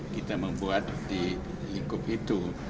kita membuat di lingkup itu